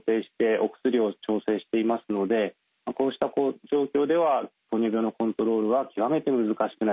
お薬を調整していますのでこうした状況では糖尿病のコントロールは極めて難しくなります。